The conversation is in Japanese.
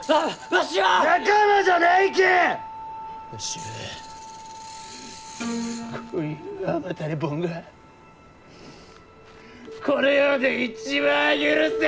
わしはこういう甘たれボンがこの世で一番許せんがじゃ！